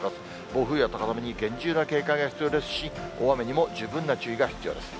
暴風や高波に厳重な警戒が必要ですし、大雨にも十分な注意が必要です。